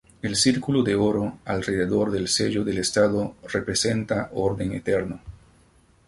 El círculo de oro alrededor del sello del estado representa orden eterno.